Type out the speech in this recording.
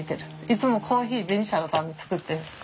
いつもコーヒーベニシアのために作ってる。